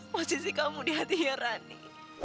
posisi kamu di hatinya rani